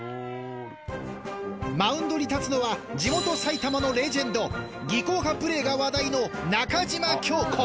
マウンドに立つのは地元埼玉のレジェンド技巧派プレーが話題の中島京子。